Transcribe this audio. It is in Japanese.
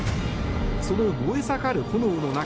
その燃え盛る炎の中